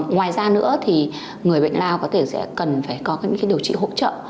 ngoài ra nữa thì người bệnh lao có thể sẽ cần phải có những điều trị hỗ trợ